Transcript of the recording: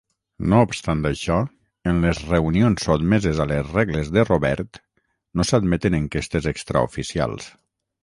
No obstant això, en les reunions sotmeses a les regles de Robert, no s'admeten enquestes extraoficials.